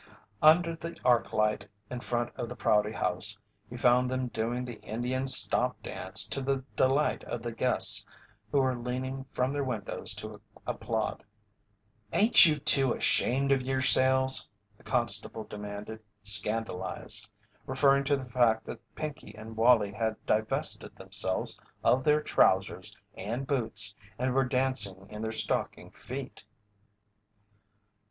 Under the arc light in front of the Prouty House he found them doing the Indian "stomp" dance to the delight of the guests who were leaning from their windows to applaud. "Ain't you two ashamed of yerselves?" the constable demanded, scandalized referring to the fact that Pinkey and Wallie had divested themselves of their trousers and boots and were dancing in their stocking feet.